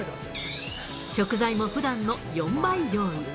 食材もふだんの４倍用意。